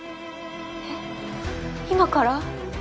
えっ今から？